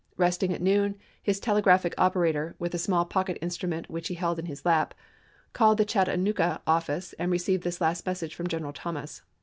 Hov., 1864. Resting at noon, his telegraphic operator, with a small pocket instrument which he held in his lap, called the Chattanooga office, and received this last message from Greneral Thomas.